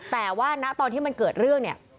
แต่ว่าณตอนที่มันเกิดเรื่องเนี่ย